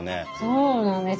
そうなんです。